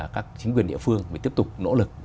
các chính quyền địa phương mới tiếp tục nỗ lực